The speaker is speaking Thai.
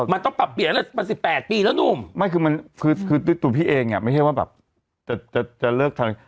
มันต้องปรับเปลี่ยนไป๑๘ปีแล้วหนุ่มคือตัวพี่เองไม่ใช่ว่าแบบจะเลิกทาง